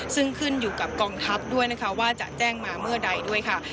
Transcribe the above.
ซึ่งขึ้นอยู่กับกองทัพด้วยนะคะว่าจะแจ้งมาเมื่อใดด้วยค่ะ